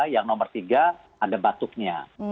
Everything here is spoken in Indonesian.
yang nomor tiga ada batuknya